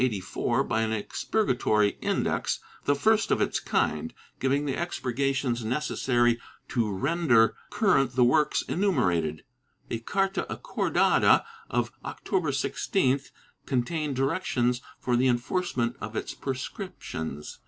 This was followed, in 1584, by an Expurgatory Index — the first of its kind — giving the expurgations necessary to render current the works enumerated. A carta acordada of October 16th contained directions for the enforcement of its prescriptions.